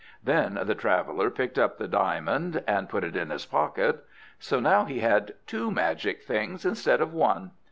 Then the traveller picked up the diamond, and put it in his pocket. So now he had two magic things instead of one.